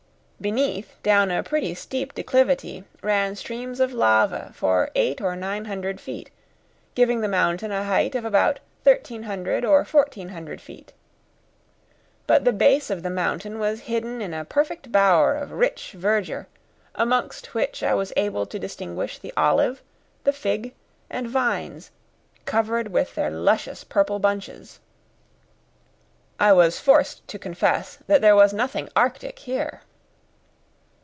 Beneath, down a pretty steep declivity, ran streams of lava for eight or nine hundred feet, giving the mountain a height of about 1,300 or 1,400 feet. But the base of the mountain was hidden in a perfect bower of rich verdure, amongst which I was able to distinguish the olive, the fig, and vines, covered with their luscious purple bunches. I was forced to confess that there was nothing arctic here.